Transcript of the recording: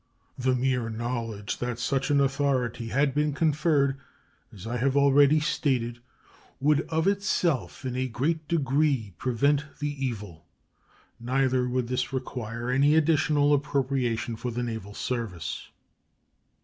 The mere knowledge that such an authority had been conferred, as I have already stated, would of itself in a great degree prevent the evil. Neither would this require any additional appropriation for the naval service.